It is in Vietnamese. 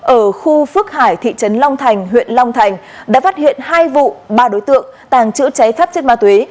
ở khu phước hải thị trấn long thành huyện long thành đã phát hiện hai vụ ba đối tượng tàng trữ cháy phép chất ma túy